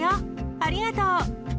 ありがとう！